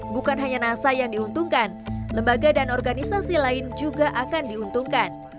bukan hanya nasa yang diuntungkan lembaga dan organisasi lain juga akan diuntungkan